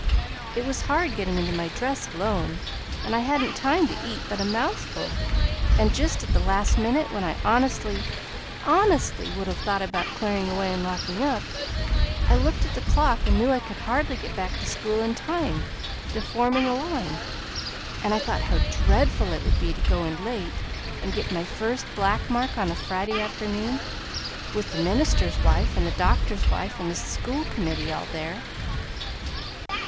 It was hard getting into my dress alone, and I hadn't time to eat but a mouthful, and just at the last minute, when I honestly HONESTLY would have thought about clearing away and locking up, I looked at the clock and knew I could hardly get back to school in time to form in the line; and I thought how dreadful it would be to go in late and get my first black mark on a Friday afternoon, with the minister's wife and the doctor's wife and the school committee all there!"